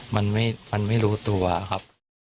มันไม่รู้ตัวครับ